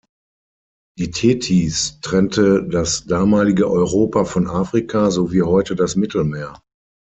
Die Tethys trennte das damalige Europa von Afrika, so wie heute das Mittelmeer.